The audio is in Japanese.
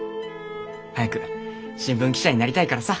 早く新聞記者になりたいからさ。